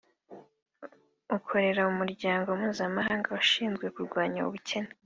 ukorera umuryango mpuzamahanga ushinzwe kurwanya ubukene